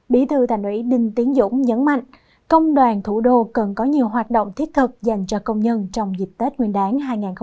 bí thư thành ủy đinh tiến dũng nhấn mạnh công đoàn thủ đô cần có nhiều hoạt động thiết thực dành cho công nhân trong dịp tết nguyên đáng hai nghìn hai mươi bốn